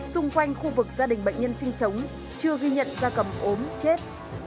xung quanh khu vực gia đình bệnh nhân sinh sống chưa ghi nhận gia cầm ốm chết